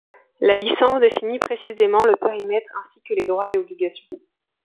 La licence définit précisément le périmètre ainsi que les droits et obligations.